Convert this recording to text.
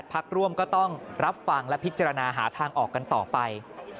พักร่วมก็ต้องรับฟังและพิจารณาหาทางออกกันต่อไป